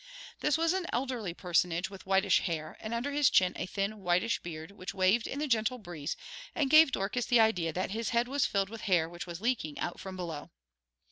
This was an elderly personage with whitish hair, and under his chin a thin whitish beard, which waved in the gentle breeze and gave Dorcas the idea that his head was filled with hair which was leaking out from below.